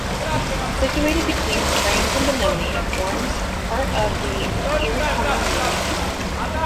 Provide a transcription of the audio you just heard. Situatued between Springs and Benoni, it forms part of the Ekurhuleni Metro.